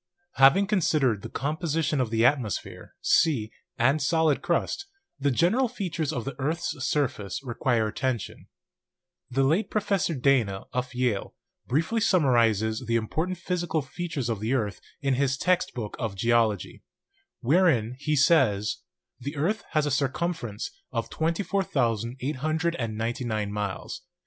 Having considered the composition of the atmosphere, sea, and solid crust, the general features of the earths surface require attention. The late Professor Dana, of Yale, briefly summarizes the important physical features of the earth in his 'Text Book of Geology/ wherein he says: "The earth has a circumference of 24,899 miles.